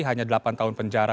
hanya delapan tahun penjara